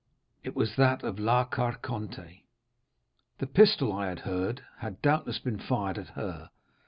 It was that of La Carconte. The pistol I had heard had doubtless been fired at her.